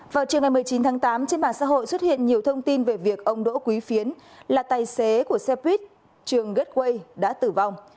vào chiều ngày một mươi chín tháng tám trên mạng xã hội xuất hiện nhiều thông tin về việc ông đỗ quý phiến là tài xế của xe buýt trường gateway đã tử vong